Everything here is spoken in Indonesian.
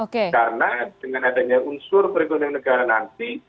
karena dengan adanya unsur perekonomian negara nanti